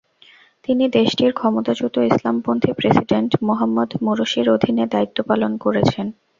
তিনি দেশটির ক্ষমতাচ্যুত ইসলামপন্থী প্রেসিডেন্ট মোহাম্মদ মুরসির অধীনে দায়িত্ব পালন করেছেন।